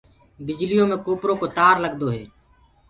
بجليٚ يو مي ڪوپرو ڪو تآر لگدو هي۔